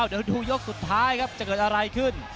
เดี๋ยวดูยกสุดท้ายครับจะเกิดอะไรขึ้น